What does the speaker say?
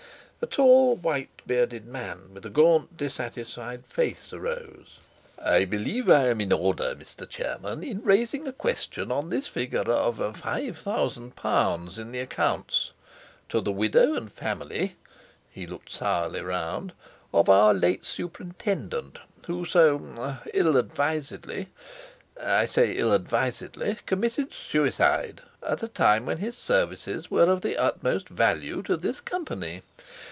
A tall, white bearded man, with a gaunt, dissatisfied face, arose: "I believe I am in order, Mr. Chairman, in raising a question on this figure of £5000 in the accounts. 'To the widow and family'" (he looked sourly round), "'of our late superintendent,' who so—er—ill advisedly (I say—ill advisedly) committed suicide, at a time when his services were of the utmost value to this Company.